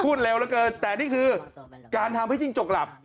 เร็วเหลือเกินแต่นี่คือการทำให้จิ้งจกหลับ